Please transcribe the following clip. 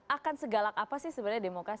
akan segalak apa sih sebenarnya demokrasi